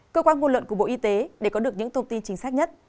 cơ quan ngôn luận của bộ y tế để có được những thông tin chính xác nhất